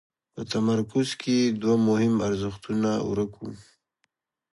په تمرکز کې یې دوه مهم ارزښتونه ورک وو.